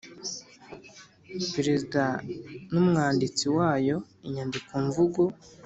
Perezida n umwanditsi wayo inyandikomvugo